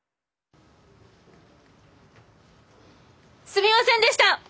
すみませんでした！